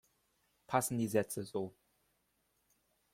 Passen die Sätze so?